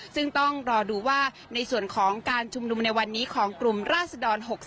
ซึ่งต้องรอดูว่าในส่วนของการชุมนุมในวันนี้ของกลุ่มราศดร๖๓